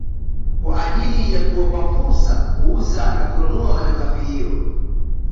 Kwa ajili ya kuwapa fursa kuuza na kununua malighafi hiyo